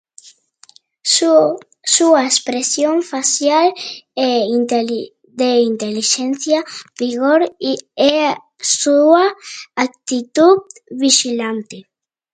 Su expresión facial es de inteligencia, vigor y su actitud vigilante.